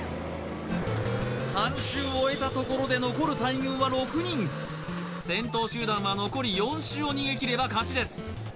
半周を終えたところで残る大群は６人先頭集団は残り４周を逃げ切れば勝ちです